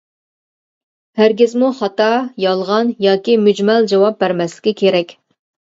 ھەرگىزمۇ خاتا، يالغان ياكى مۈجمەل جاۋاب بەرمەسلىكى كېرەك.